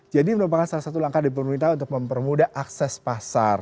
jadi merupakan salah satu langkah dari pemerintah untuk mempermudah akses pasar